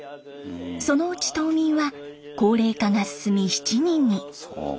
そのうち島民は高齢化が進み７人に。